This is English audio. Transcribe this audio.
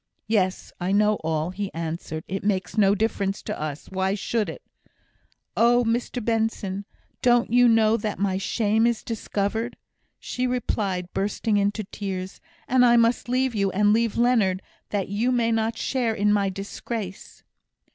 "Yes. I know all," he answered. "It makes no difference to us. Why should it?" "Oh! Mr Benson, don't you know that my shame is discovered?" she replied, bursting into tears "and I must leave you, and leave Leonard, that you may not share in my disgrace."